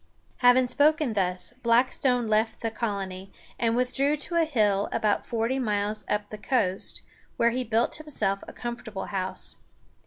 Having spoken thus, Blackstone left the colony, and withdrew to a hill about forty miles up the coast, where he built himself a comfortable house.